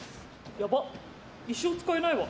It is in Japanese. やば、一生使えないわ。